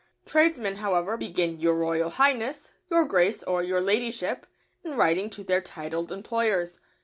Tradesmen, however, begin "Your Royal Highness," "Your Grace," or "Your Ladyship," in writing to their titled employers.